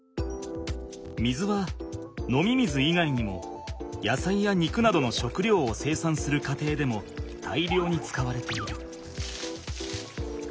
水は飲み水以外にもやさいや肉などの食料を生産する過程でも大量に使われている。